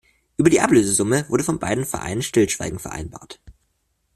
Über die Ablösesumme wurde von beiden Vereinen Stillschweigen vereinbart.